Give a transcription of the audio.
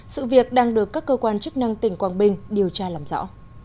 sự việc đang được các cơ quan chức năng tỉnh quảng bình điều tra làm rõ